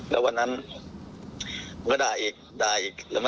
แล้ววันนั้นผมก็ด่าอีกด่าอีก